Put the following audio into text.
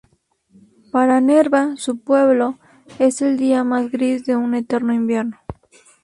Para Nerva —su pueblo— es el día más gris de un eterno invierno.